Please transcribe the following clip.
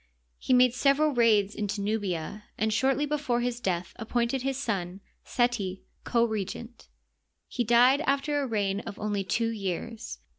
He made several raids into Nubia, and shortly before his death appointed his son, Seti, co regent. He died after a reign of only two years.